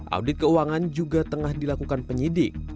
audit keuangan juga tengah dilakukan penyidik